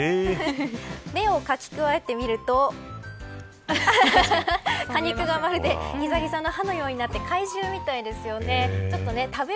目を書き加えてみると果肉がまるでギザギザの歯のようになって怪獣みたいですね。